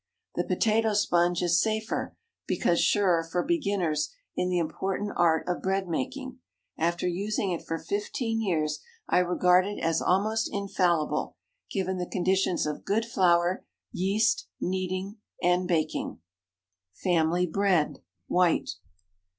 The potato sponge is safer, because surer for beginners in the important art of bread making. After using it for fifteen years, I regard it as almost infallible—given the conditions of good flour, yeast, kneading, and baking. FAMILY BREAD (_White.